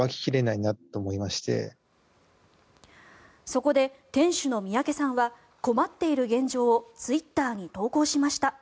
そこで店主の三宅さんは困っている現状をツイッターに投稿しました。